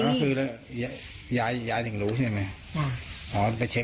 อยากได้เงินทืนไหมแม่บ่ายาย